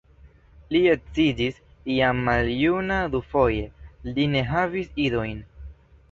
Li edziĝis jam maljuna dufoje, li ne havis idojn.